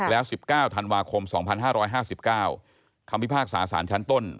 แล้ว๑๙ธันวาคม๒๕๕๙คำพิพากษาสารชั้นต้น